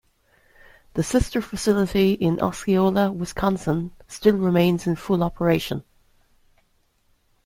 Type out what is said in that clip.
The sister facility in Osceola, Wisconsin still remains in full operation.